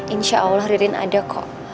insya allah ririn ada kok